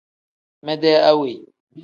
Mede awe.